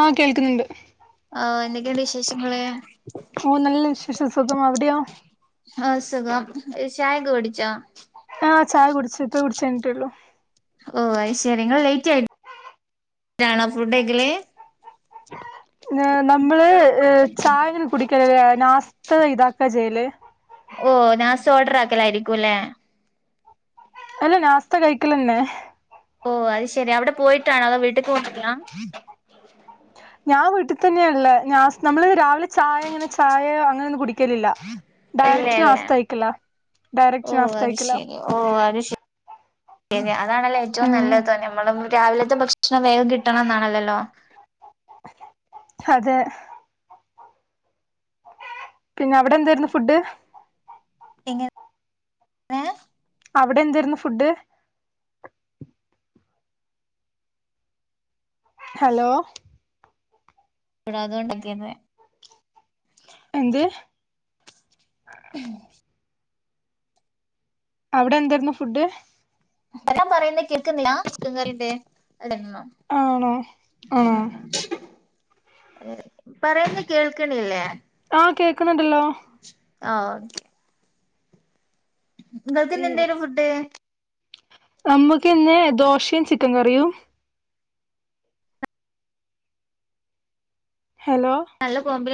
ആ കേൾക്കുന്നണ്ട് ആ എന്തൊക്കെണ്ട് വിശേഷങ്ങള് ഓ നല്ല വിശേഷം സുഖം അ വട് യോ? ആഹ സുഖം ചായ് ക്കെ കുടിച്ചോ? ആഹ് ചായ കുടിച്ചു പ്പൊ കുടിച്ച് എ ണീ ട്ടേള്ളു ഓ അയ് ശെരി ങ്ങള് ലേറ്റ് ആയിട്ടാണോ ഫുഡ്‌ യ് ക്കല് നമ്മള് ചായന് കുടിക്കല് നാസ്ത ഇതാക്കാ ചെയ്യല് ഓ നാ സ് ഓർഡർ ആക്കലായ് രിക്കും ല്ലേ? അല്ല നാസ്ത കഴിക്കലെ ന്നെ ഓ അത് ശെരി അവിടെ പോയിട്ടാണോ അതോ വീട്ട് ക്ക് കൊണ്ടെർ ലാ ഞാ വീട്ടി തന്നാ ള്ള് നാസ് നമ്മള് രാവിലെ ചായ ഇ ങ്ങനെ ചായ അങ്ങനൊന്നും കുടിക്കലില്ല ഇല്ല ഡയറക്റ്റ് ഇല്ല നാസ്ത കയ് ക്കലാ ഡയറക്റ്റ് നാസ്ത കഴിക്കലാ ഓ അത് ശരി അതാണല്ലേ ഏറ്റവും ഉം നല്ലത് നമ്മള രാവിലത്തെ ഭക്ഷ ക്ഷണം വേം കിട്ടണം ന്നാണല്ലല്ലോ അതെ പിന്നെ അവിടെ എന്തെര് ന്നു ഫുഡ് എങ്ങെ ഏ അവിടെ എന്തെര് ന്നു ഫുഡ് ഹലോ എ ട അതൊണ്ടെക്കെന്നു എന്ത്? [inaudible] അവിടെ എന്തെ ര്ന്നു ഫുഡ്? ഏ ട്ടൻ പറയുന്നത് കേക്കുന്നില്ല ചിക്കൻ കറി ണ്ട് [unintelligible] ആണോ ആ പറയുന്ന് കേൾക്കണില്ലേ? ആഹ കേ ക്കുണു ണ്ടല്ലോ ആഹ് നിങ്ങൾക്ക് ഇന്ന് എന്തെ ന്നു ഫുഡ്? നമ്മുക്ക് ഇന്ന് ദോശീ ചിക്കൻ കറിയും ഹലോ നല്ല കോമ്പി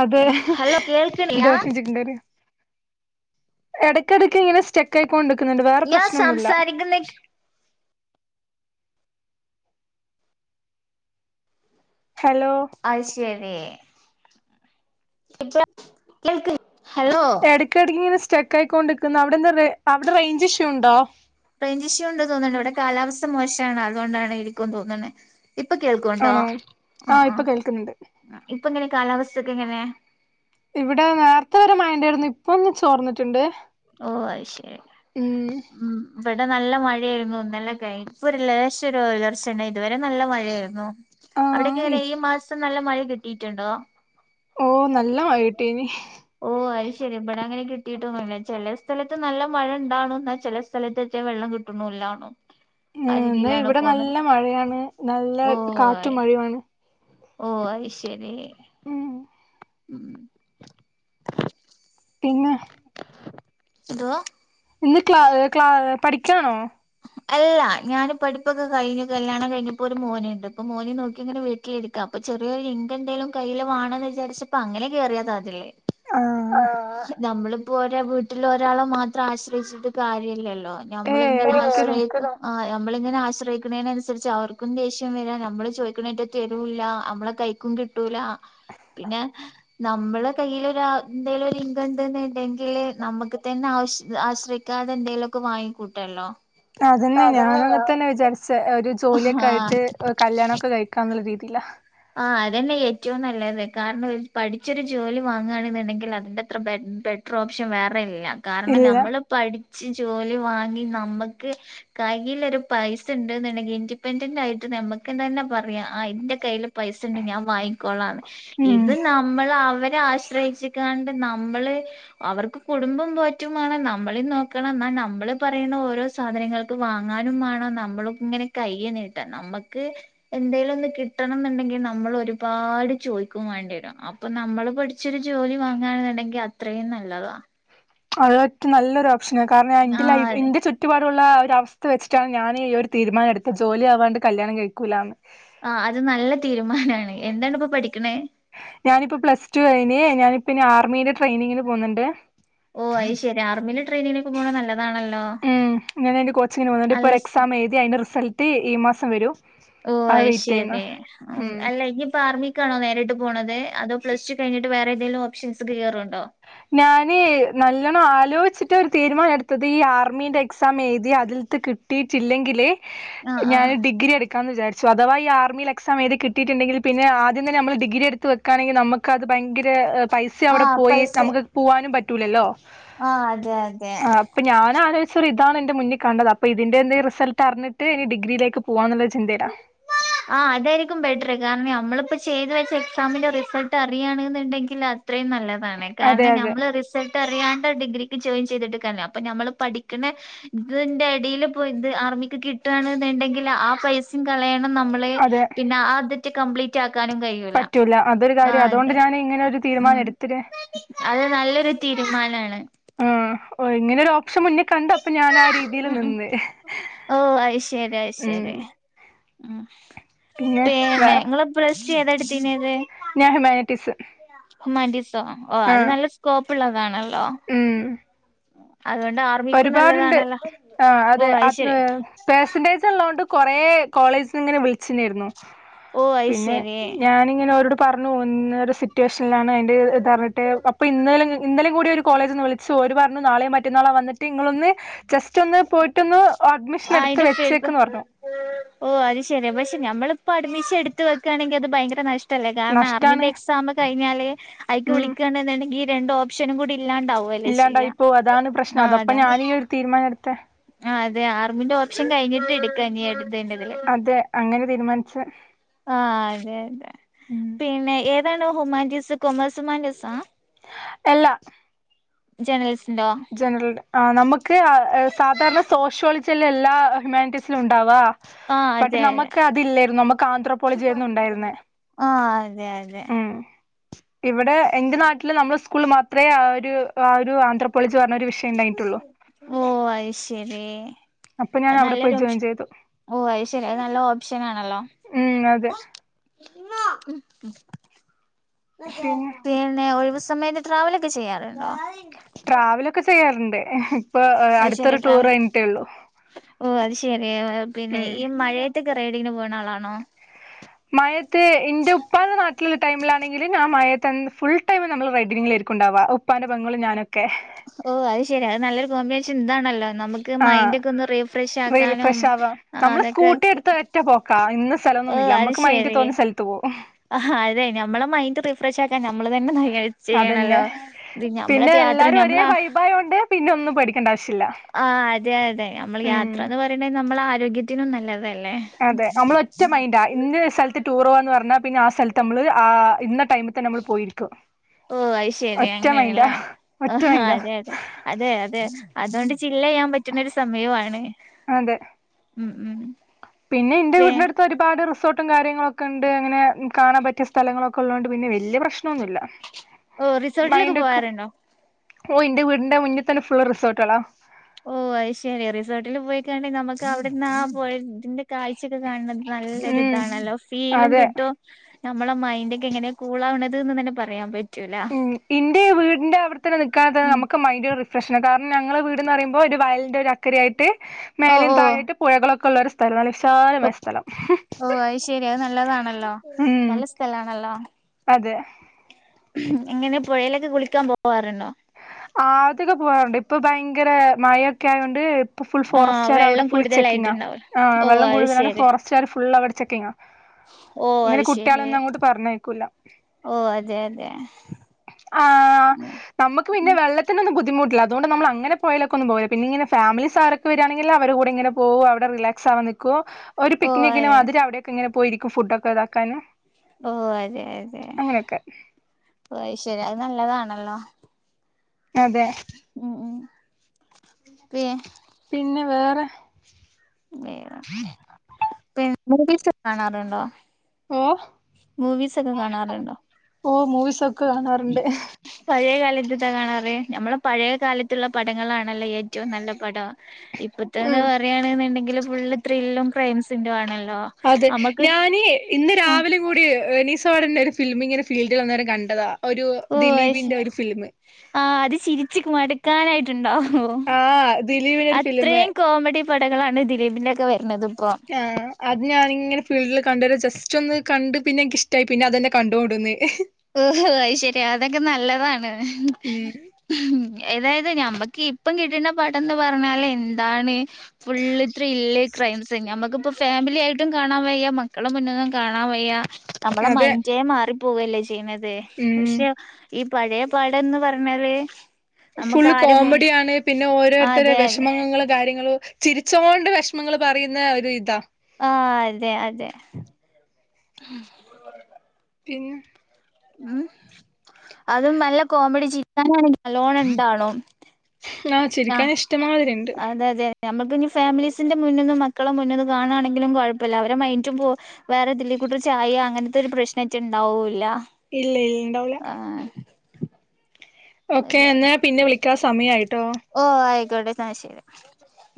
അതെ ഹലോ കേൾക്കണില്ലാ? [unintelligible] എ ടയ്ക്കടയ്ക്ക് ഇങ്ങനെ സ്റ്റെക്ക് ആയി കൊണ്ട് ക്കുണു ണ്ട് വേറെ ഞാൻ പ്രശ്നൊന്നുല്ല [unintelligible] ഹലോ അത് ശരി [unintelligible] കേൾക്കി ഹലോ എ ടയ്ക്കിടയ്ക്ക് ഇങ്ങനെ സ്റ്റെക്ക് ആയിക്കൊണ്ടിക്കുന്ന് അവിടെ എന്ത അവിടെ റേഞ്ച് ഇഷ്യു ഉണ്ടോ? റേഞ്ച് ഇഷ്യൂ ഉണ്ട് തോന്നുന്നു ഇവിടെ കാലാവസ്ഥ മോശാ ണ് അതുകൊണ്ടാണ് ഇരിക്കും തോന്നുണ് ഇപ്പൊ കേൾക്കുംണ്ടോ ആണോ ആ ആ ഇപ്പൊ കേൾക്കുന്നുണ്ട് ഇപ്പൊ എങ്ങനെ കാലാവസ്ഥൊക്കെ എങ്ങനെ ഇവിടെ നേരത്തെ വരെ മഴ ഉണ്ടായിരുന്നു ഇപ്പൊ ന്ന് ചോർന്നിട്ടുണ്ട് ഓ അത് ശെരി ഉം ഉം ഇവിടെ നല്ല മഴായിരുന്നു ഇന്നലെ [unintelligible] ഒരു ലേശം ഒരു ഉയർ ച്ചണ്ട് ഇതുവരെ നല്ല മഴയായിരുന്നു ആ അവിടെ ക്കെ എങ്ങനെ ഈ മാസം നല്ല മഴ കിട്ടിട്ടുണ്ടോ? ഓ നല്ല മഴ കിട്ടിനീ ഓ അത് ശരി ഇവിടെ അങ്ങനെ കിട്ടിയിട്ടൊന്നുമില്ല ചെ ല സ്ഥലത്ത് നല്ല മഴ ഉണ്ടാ നു എന്ന ചെ ല സ്ഥലത്ത്ത്യ വെള്ളം കിട്ട്ണൂ ല്ലാന്നൂ ഉമ് ന്നാ ഇവിടെ നല്ല മഴയാണ് നല്ല ഓ ആയി. കാറ്റും മഴയു മാ ണ് ഓ അത് ശരി ഉം ഉം പിന്നെ എന്തുവാ ഇന്ന് ക്ലാഹ് ക്ലാഹ് പഠിക്കുകയാണോ അല്ല ഞാാന് പഠിപ്പൊക്കെ കഴിഞ്ഞു അല്ല ഞാൻ പഠിപ്പ് ഒക്കെ കഴിഞ്ഞു കല്യാണം കഴിഞ്ഞു ഇപ്പോൾ ഒരു മോനു ഉ ണ്ട് ഇപ്പൊ മോനെ നോക്കി ഇങ്ങനെ വീട്ട കി എടുക്ക അപ്പ ചെറിയൊ ലിങ്ക നോക്കിയിരിക്ക ചെറിയരു ഇൻകം എന്തേലും കയ്യിൽ വേണന്ന് വിചാരിച്ചപ്പോ അങ്ങനെ കേറിയതാണ് ഇതിൽ ആഹ് നമ്മളും ഇപ്പോ ഒരേ വീട്ടിൽ ഒരാളോ മാത്രം ആശ്രയിച്ചിട്ട് കാര്യമില്ലല്ലോ നമ്മളൾ ഏയ് ഇങ്ങനെ ഒരിക്കലും ആശ്രയിച് ആ നമ്മളിങ്ങനെ ആശ്രയിക്കുന്നതിനനുസരിച്ച് ആ അവർക്കും ദേഷ്യം വരാം നമ്മള് ചോദിക്കണേറ്റ് തെരുല്ല നമ്മളെ കയ്യിൽ കൈയിലും കിട്ടൂല പിന്നെ നമ്മള കൈയിൽ എന്തേലും ഒരു ഇൻകം ഉണ്ടെങ്കിൽ നമുക്ക് തന്നെ ആശ ആശ്രയിക്കാതെ ക്ക എന്തെങ്കലും ഒക്കെ വാങ്ങിക്കൂട്ടല്ലോ അതന്നെ ഞാനും അങ്ങനെ തന്നെ വിചാരിച്ച ഒരു ജോലിയൊക്കെ ആയിട്ട് ആഹ് കല്യാണമൊക്കെ കഴിക്കാന്നുള്ള രീതിയില്ല ആ അതന്നെ ഏറ്റവും നല്ലത് അത് തന്നെ യാണ് കാരണം പഠിച്ചൊരു ജോലി വാങ്ങുകയാണെന്നുണ്ടെങ്കിൽ അതിന്റെ അത്ര പ്രോപ്ഷൻ വേറെ ഇല്ല കാരണം ഇല്ല നമ്മള് പഠിച്ച് ജോലി വാങ്ങി നമ്മുക്ക് കയ്ൽരു പൈസ ഉണ്ട് കയ്യിൽ ഒരു പൈസ ഉണ്ട് എന്നുണ്ടെങ്കിൽ ഇൻഡിപെൻഡന്റ് ആയിട്ട് നമുക്ക് എന്താ തന്നെ പറയാ അതിന്റെ കയ്യിൽ പൈസ ഉണ്ട് ഞാൻ വാങ്ങിക്കോളാണ് ഉം ഇത് നമ്മള് അവരെ ആശ്രയിച്ചണ്ട് നമ്മള് അവർക്ക് കുടുംബം പോറ്റുമാണ് നമ്മളിൽ നോക്കണം എന്നാ നമ്മള് പറയുന്ന ഓരോ സാധനങ്ങൾക്ക് വാങ്ങാനും വേണം നമ്മൾ ഇങ്ങനെ കൈ നീട്ടൻ നമുക്ക് എന്തെങ്കലും ഒന്ന് കിട്ടണം എന്നുണ്ടെങ്കിൽ നമ്മൾ ഒരുപാട് ചോദിക്കുകയും വേണ്ടി വരും അപ്പൊ നമ്മള് പഠിച്ചൊരു ജോലി വാങ്ങെന്നുണ്ടെങ്കിൽ അത്രയും നല്ലതാ അതൊറ്റ നല്ലൊരു ഓപ്ഷന കാരണം എന്റെ ലൈഫ് ആഹ് എന്റെ ചുറ്റും കുറ്റപാടുള്ള ഒരു അവസ്ഥ വെച്ചിട്ടാണ് ഞാൻ ഈ ഒരു തീരുമാനംടുത്തത്ത് ജോലി ആവാണ്ട് കല്യാണം കഴിക്കൂില്ല എന്ന് ആഹ് അത് നല്ല തീരുമാനമാണ് എന്താണ് ഇപ്പൊ പഠിക്കണ ഞാനിപ്പോ പ്ലസ് ടു കയിഞ്ഞ് ഞാനിപ്പോ ഇനി ആർമിന്റെ ട്രെനിങ്ങിന് പോകുന്നുണ്ട് ഓ അത് ശരി ആർമിെ ട്രെയിനിങ്ങിന ഒക്കെ പോകുന്നത് നല്ലതാണല്ലോ ഉം ഇങ്ങനെ ഒരു കോച്ചിങ് നു പോവുന്നുണ്ട് ഇപ്പോ അല്ല ഒരു എക്സാം എഴുതി അതിന്റെ റിസൾട്ട് എന്റെ കോച്ചിങ്ങിന് വന്നിട്ടണ്ട്് ഇൊ ഒരു എക്സാം എഴുതിന്റെ റിസൾട്ട്ഈ മാസം വരൂ ഓഹ് ആയിസരി ഉം അല്ല ഇനി ഇപ്പ ആർമ്മി ആണോ നേരിട്ട് പോുന്നത് അതോ പ്ലസ് ടു കിഞ്ഞട്ട് വേറെേന്തെങ്കിലും ഓ പ്ഷൻസ് ക് കേറുന്നുണ്ടോ ഞാന് നല്ലോണം ആലോചിച്ചിട്ട് ഒരു ഞാൻ നല്ലോണം ആലോചിട്ടു തീരുമാനം എടുത്തത് ഈ ആർമീന്റെ എക്സാം എഴുതി അതിലത്ത് ട്ടില്ലെങ്കിൽ ആഹ് ഞാൻ ആഹ് ഡിഗ്രി എടുക്ക എക്കാ വിാരിച്ച അഥവാ ഈ അതാവാ ആർമയിൽ എക്സാം ഏത് കിയിട്ടുണ്ടെങ്കിൽപിന്നെ ആദിയം തന്ന നമ്മൾ ഡിഗ്ര എടുത്ത് ക്കണെങ്കിൽ നമുക്ക് അത് ഭയങ്കര പൈസ അവിടെ ആഹ് പോയി പൈസ നമുക്ക് പോവാനും പറ്റൂലല്ലോ ആഹ് അതെ അതെ ആ്ഹ് അപ്പൊ ഞാന ആലോചിച്ചരി ഇതാണ് എന്റെ മുന്നിൽ കണ്ടത് അപ്പൊ ഞാൻ ആലോചിച്ചു ഇതാണ് എന്റെ മുന്നിൽ കണ്ടത് ഇതിന്റെ എന്ത് റിൾട്ട് അറിഞ്ഞിട്ട് ഇ ഡിഗ്രിേ പോവാ എന്നുള്ള ചിന്തതില്ലാണ് ആ അതായിരിക്കും ബെറ്ററ് കാരണം നമ്മളിപ്പോ ചെയ്ത് വെച്ച ആ അതായിരിക്കും ബെറ്റർ എക്സാമിന്റെ റിസൾട്ട് അറിയണെന്നുണ്ടെങ്കിൽ അത്രയും നല്ല അതെ കാരണം അതെ നമ്മള് റിസൾട്ട് അറിയാണ്ട ഡിഗ്രിക്ക് ജോയിൻ ചെയ്തിട്ട് കാര്യമില്ല അപ്പൊ നമ്മള് പഠിക്കണ ഇതിന്റെ ഇടിൽ പോയി ഇത് ഇതു ഇതിന്റെ ഇടയിൽ ആർമിക്ക് കിട്ടുകവാണെന്നുണ്ടെങ്കിൽ ആ പൈസയും കളയണ്ട നമ്മൾ അതെ പിന്നെ ആ് കപ്ലീറ്റആക്കാനും നും കഴിയും പറ്റൂല അതൊരു കാര്യം അതുകൊണ്ട് ഞാൻ ഇങ്ങനെ ഒരു ഉം തീരുമാനം എടുത്തിട്ടേ അത് നല്ലൊരു തീരുമാനമാണ് ഉം ഇങ്ങനെ ഒരു ഓപ്ഷൻ മുന്നിൽ കണ്ടപ്പോ അപ്പൊ ഞാൻ ആ രീതിയിൽ ഉം ഉ നിന്ന് ഓ ആയി ശരി ശരി ഉം ശരി ഉം പിന്നെ ഇങ്ങള് പ്ലസ് ടു ഏതാ എടുത്തീനേത്? ഞാൻ ഹ്യുമാനിറ്റീസ്. ഹ്യുമാനിറ്റീസോ ഓ ആ അത് നല്ല സ്കോപ്പുള്ളതാണല്ലോ. ഉം അതുകൊണ്ട് ആ ഒരുപാടുണ്ട് ആഹ് അതെ അത് ആത് ശരി പെർസന്റേജ് ഉള്ളോണ്ട് കൊറേ കോളേജ്ന്ന് ഇങ്ങനെ വിളിച്ച്ണെര്ന്നു ഓ അത് പിന്നെ ശരി ഞാന് ഇങ്ങനെ ഓരോട് പർഞ്ഞു ഇങ്ങനൊര് സിറ്റുവേഷനിലാണ് അതിന്റെ ഇത് അറിഞ്ഞിട്ട് അപ്പൊ ഇന്നലെ ഇന്നലിം കൂടി ഒരു കോളേജ്ന്ന് വിളിച്ച ച്ചോര് പർഞ്ഞു നാളെ മറ്റന്നാള വന്ന് നിങ്ങളൊന്ന് ജസ്റ്റ് ഒന്ന് പോയിട്ടൊന്ന് അഡ്മിഷൻ എടുത്ത് അയിന്റെ ഫീൽഡ് വെച്ചേക്ക്ന്ന് പർഞ്ഞു ഓ അത് ശെരി പക്ഷെ നമ്മളിപ്പോ അഡ്മിഷൻ എടുത്ത് വെക്കയാണെങ്കിൽ അത് ഭയങ്കര നഷ്ട ല്ലെ കാര്ണം നഷ്ടാണ് ആർമിന്റെ എക്സാമ് കഴിഞ്ഞാല് അയ്ക്ക് ഉം വിളിക്കാണ്ന്ന്ണ്ടെങ്കി രണ്ട് ഓപ്ഷനും കൂടി ഇല്ലാണ്ടാവും ഇല്ലാണ്ടായിപ്പൊ അതാണ് പ്രശ്നം അത് അപ്പൊ ഞാനീ ഈ ഒരു തീരുമാനം ഇട്ത്തെ ആഹ് അതെ ആർമിന്റെ ഓപ്ഷൻ കഴിഞ്ഞിട്ട് ഇട്ക്ക അട്ത്തേന്റതില് തെ അങ്ങന തീരുമാൻച്ച് ആഹ് അതെ അതെ പിന്നെ ഏതാണ് ഹുമാൻറ്റീസ് കൊമേഴ്സ് ഹുമാൻറ്റീസാ എല്ല ജേണലിസ്റ്റ് ൻ്റോ ജനറൽ ആഹ് നമുക്ക് ആഹ് ഏഹ് സാധാര്ണ സോഷ്യോളജിയല്ല എല്ലാ ഹ്യുമാനിറ്റീസിലും ഉണ്ടാവാ ആഹ് പറ്റ് അതെ അതെ നമ്മക്ക് അതില്ലേര്ന്നു നമുക്ക് ആന്ത്രോപോളജിയെര്ന്നു ഉണ്ടാര്ന്നെ ആഹ് അതെ അതെ ഇവിടെ എന്റെ നാട്ടില് നമ്മളെ സ്കൂള് മാത്രേ ആ ഒരു ആ ഒരു ആന്ധ്രാപളേജ് പറഞ്ഞ ഒരു വി ഓഹ് അയ് ശരീ അപ്പൊ ഞാൻ അത് അവിടെ നല്ലൊരു പോയി ഒപ്ഷ ജോയിൻ ചെയ്തു ഓഹ് അയ് ശരി അത് നല്ല ഓപ്ഷൻ ആണല്ലൊ ഉം അതെ [unintelligible] പിന്നെ ഒഴിവ് സമയത്ത് ട്രാവലൊക്ക ചെയ്യാറ്ണ്ടൊ? ട്രാവലൊക്കെ ചെയ്യാറുണ്ട് ഇപ്പൊ അടുത്തൊരു ടൂർ കഴിഞ്ഞിട്ടേള്ളു. ഓഹ് അത് ശരി പിന്നെ ഉം ഈ മഴേത്തൊക്കെ റൈഡിങ്ങിന് പോണ ആളാണോ? മഴേത്ത് ഇന്റെ ഉപ്പാന്റെ നാട്ട്ല്ള്ള ടൈമിലാണെങ്കില് ഞാൻ മഴത്തന്നെ ഫുൾ ടൈമില് നമ്മൾ റൈഡിങ്ങിലെരിക്കും ഉണ്ടാവ ഉപ്പാന്റെ പെങ്ങളും ഞാനൊക്കെ ഓഹ് അത് ശരി അത് നല്ലൊരു കോമ്പിനേഷൻ ഇതാണല്ലൊ നമു ക്ക് ആഹ് മൈൻഡൊക്ക ഒന്ന് റീല് റീഫ്രഷാക്കാനും ഫ്രഷ് ആവാ നമ്മള് അതൊക്കെ സ്കൂട്ടി എടുത്ത ഒറ്റ പോക്കാ ഇന്ന സ്ഥലൊന്നുന്നില്ല നമ്മക്ക് മൈന്റ് തോന്ന്യ സ്ഥലത്ത് പോവും ആഹാ അതെ നമ്മളെ മൈൻഡ് റീഫ്രഷ് ആക്കാൻ നമ്മള് തന്നെ നഴ അതെന്നെ പിന്നെ എല്ലാരും ഒരേ ഞമ്മള വൈബായോണ്ട് പിന്നെ ഒന്നും പെടിക്കണ്ട ആവശ്യല്ല ആഹ് അതെ അതെ നമ്മള് ഉം യാത്രാന്ന് പറീണെ നമ്മളെ ആരോഗ്യത്തിനും നല്ലതല്ലെ? അതെ നമ്മൾ ഒറ്റ മൈൻഡ ഇന്ന സ്ഥലത്ത് ടൂർ പോവാന്ന് പറഞ്ഞാ പിന്നെ ആഹ് സ്ഥലത്ത് നമ്മള് ആ ഇന്ന ടൈമ് നമ്മള് പോയിരിക്കും ഓ അത് ശെരി ഒറ്റ മൈൻഡാ അങ്ങനെയാണല്ലേ ആഹ് ഒറ്റമൈൻഡ അതെ അതെ അതെ അതെ അതോണ്ട് ചില്ലിയ്യാൻ പറ്റ്ണ ഒരു സമയോ ആണ് ഉം ഉം പിന്ന ഇന്റ പി വീടിന്റട് ഇപ്പോ ഒരുപാട് റിസോർട്ടും കാര്യങ്ങളൊക്കണ്ട് അങ്ങനെ കാണാൻ പറ്റിയ സ്ഥലങ്ങളൊക്കെ ഉള്ളോണ്ട് പിന്നെ വല്യ പ്രശ്നൊന്നില്ല ഓ റിസോർട്ടിലൊക്കെ മൈന്റൊക്ക പോവാറുണ്ടോ ഓഹ് ഇന്റെ വീടിന്റെ മുന്നി തന്നെ ഫുള്ള് റിസോൾട്ടേളാ ഓഹ് അയ്ശരി റിസോൾട്ടില് പോയിക്കണ്ട് നമ്മക്ക് അവിടെര്ന്നാ ആഹ് പൊയന്റെ കാഴ്ചൊക്ക കാണുന്നത് നല്ലൊരു ഉം ഇതാണല്ലൊ ഫീലും അതെ കിട്ടും നമ്മള മൈൻഡ് ഒക്കെ എങ്ങനെ കൂൾ ആവ്ണത് എന്ന് തന്നെ പറയാൻ പ ഉം ഇന്റെ വീടിന്റെ അവിടുത്തന്നെ നിക്കാതാ ഉം നമ്മക്ക് മൈൻഡ് റീ പ്രശ്നം കാര്ണം ഞങ്ങളെ വീട്ന്ന് പറയുമ്പൊ ഒരു വയലിന്റെ ഒരു അക്കര ആയിട്ട് ഓ മേലെ താഴെ ആയിട്ട് പുഴകളൊക്കെ ഉള്ളൊര് സ് [unintelligible] ഓ വിശാലമായ സ്ഥലം ഓ അത് ശെരി അത് നല്ലതാണല്ലോ ഉം നല്ല സ്ഥലാണല്ലോ അതെഹേ ഇങ്ങനെ പുഴയിലൊക്കെ കുളിക്കാൻ പോവാറുണ്ടോ ആതിക്കെ. പോവാറുണ്ട് ഇപ്പൊ ഭയങ്കര മഴ യൊക്കെ ആയൊണ്ട് പ്പ. ഫുൾ ആഹ് ഫോറസ്റ്റർ. അവടെ വെള്ളം ഇപ്പോ ഫുൾ ഫോറസ്റ്റ് കാർ ഫുൾെചെകിങ്ങ. കൂടുതലായിട്ടുണ്ടാവൂലോ ആ ഓ വെള്ളം അത് കൂടുതലാണ് ശെരി ഫോറസ്റ്റർ ഫുൾ അവിടെ ചെക്കിങ്ങ ഓ ഇങ്ങനെ. അത് ശെരി കുട്ടിളൊന്നു. അങ്ങോട്ട് പറഞ്ഞയക്കൂല ഓ അതെ അതെ ആഹ്. ആഹ്. ആഹ് നമ്മക്ക് പിന്നെ, വെള്ളത്തിനൊന്നും ബദ്ധിമുട്ടില്ല. അതോണ്ട്, നമ്മള് അങ്ങനെ പോഴേലേക്കൊന്നും പോവില്ല. പിന്നെ ഇങ്ങനെ ഫാമിലിസ് ആരൊക്കെ വെരാണെങ്കിൽ, അവരെ കൂടെ ഇങ്ങനെ പോവു, അവിടെ റിലാക്സ് ആവാനിക്കു ഒരു ഓ പിക്നിക്കിനും അതെ അതിര് അവിടെയൊക്കെ ഇങ്ങനെ പോയിരിക്കും ഫുഡോക്കെ, ഇതാക്കാന് ഓ.. ! അതെ, അതെ. അങ്ങനെയൊക്കെ ഓ അയ് ശെരി, അത് നല്ലതാണല്ലോ. ! അതെ. ഉം ഉം. പി പിന്നെ വേറെ വേറെ, [unintelligible] കാണാറുണ്ടോ? ഓ..? മൂവീസ് ഒക്കെ മൂവിസൊക്കെ., കാണാറുണ്ടോ ഓ മൂവീസൊക്കെ കാണാറ്ണ്ട്. പഴേ കാലത്ത്താ കാണാർ? നമ്മള് പഴേ കാലത്ത്ള്ള പടങ്ങളാണല്ലോ ഏറ്റവും നല്ല പടം. ഇപ്പത്തെന്ന് ഉം പറയാണ്ന്ന്ണ്ടെങ്കില് ഫുള്ള് ത്രില്ലും ക്രൈംസിന്റോ ആണല്ലോ. ! അതെ, ഞാനേ... ഇന്ന് രാവിലിം കൂടി യെനിസോടന്റെ ഒരു ഫിലിമിങ്ങനെ, ഫീൽഡിൽ വന്നേരം കണ്ടതാ.. ഒരു, ദിലീപിന്റെ ഒരു ഫിലിമ്. ആ അത് ചിരിച്ച്ക്ക് മടുക്കാനായിട്ട്ണ്ടാവും. ആഹ് ദിലീപിന്റെ ഒരു ഫിലിം അത്രേം കോമഡി പടകളാണ് ദിലീപിന്റെക്കെ വരുന്നത് പ്പോ. ആ.. അത് ഞാനിങ്ങനെ ഫീൽഡില് കണ്ടേരം ജസ്റ്റ് ഒന്ന് കണ്ട് പിന്നെ, നിക്കിഷ്ടായി. പിന്നെ അതന്നെ കണ്ടോൻട്ന്ന്.. ഓഹോ.. ! അയിശരി, അതൊക്കെ നല്ലതാണ്. മ്മ് ഹ്മ്മ്‌, എതായത് ഞമ്മക്ക് ഇപ്പം കിട്ട്ണ പടംന്ന് പറഞ്ഞാല് എന്താണ്? Full thrill crimes. ഞമ്മക്പ്പോ ഫാമിലി ആയിട്ടും കാണാൻ വയ്യാ, മക്കളെ മുന്ന്ന്നും കാണാൻ വയ്യാ. നമ്മളെ അതെ മൈന്റേ മാറിപ്പോകല്ലേ യ്യണത്. ഉം പഷേ, ഈ പഴേ പടംന്ന് പറഞ്ഞാല് നമുക്ക് ഫുള്ള് ആരും മുൻ കോമഡിയാണ്. പിന്നെ, ഓരോരുത്തരെ അതെ അതെ വെഷമങ്ങള് കാര്യങ്ങള് ചിരിച്ചോണ്ട് വെഷമങ്ങൾ പറയുന്ന ഒരു ഇതാ. ആഹ്.. അതെ, അതെ. പിന്നെ? മ്മ്. അതും നല്ല കോമഡി, ചിരികാ നാണെങ്കി നല്ലോണം ഇണ്ടാനും. ആഹ്, ചിരിക്കൻ ഇഷ്ടമാതിരിണ്ട്. ഞമ്മക്ക് ഞ്ഞ് ഫാമിലീസിന്റെ മുന്ന്ന്നും, മക്കളെ മുന്നിന്നും കാണാണെങ്കിലും കൊഴപ്പല്ല. അവരെ മൈൻറ്റും പോ വേറെ ഇതിലെ [unintelligible] ചായാ അങ്ങനത്തെ ഒരു പ്രശ്നറ്റെ ണ്ടാവുല്ല. ഇല്ല. ഇൽണ്ടാവുല. ഓക്കെ, അതെ എന്നാ പിന്നെ വിളിക്കാ. സമയായിട്ടോ. ! ഓ.. ആയിക്കോട്ടെ, ന്നാശ്ശെരി.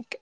ഒക്കെ